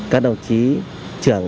các đồng chí trưởng